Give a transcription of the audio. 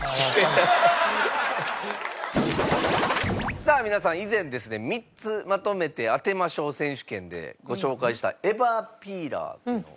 さあ皆さん以前ですね３つまとめて当てましょう選手権でご紹介したエバーピーラーっていうのを。